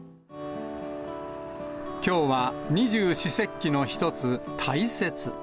きょうは二十四節気の一つ、大雪。